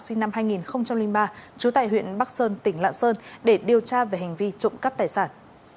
sinh năm hai nghìn ba trú tại huyện bắc sơn tỉnh lạng sơn để điều tra về hành vi trộm cắp tài sản